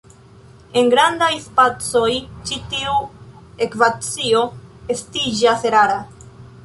En grandaj spacoj, ĉi tiu ekvacio estiĝas erara.